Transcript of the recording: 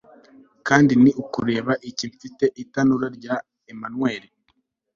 Kandi ni ukubera iki mfite itanura ryaka emamel